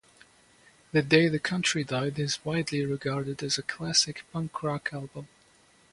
"The Day the Country Died" is widely regarded as a classic punk rock album.